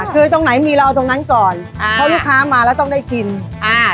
คือตรงไหนมีเราเอาตรงนั้นก่อนอ่าเพราะลูกค้ามาแล้วต้องได้กินอ่า